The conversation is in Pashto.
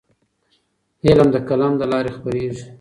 علم د قلم له لارې خپرېږي.